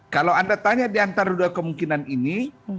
kalau anda tanya di antara dua kemungkinan ini